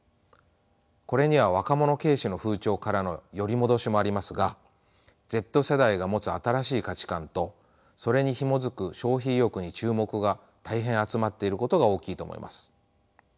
これには若者軽視の風潮からのよりもどしもありますがＺ世代が持つ新しい価値観とそれにひもづく消費意欲に注目が大変集まっていることが大きいと思います。